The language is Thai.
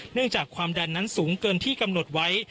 จากความดันนั้นสูงเกินที่กำหนดไว้